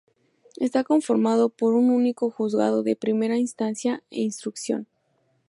Está conformado por un único juzgado de primera instancia e instrucción.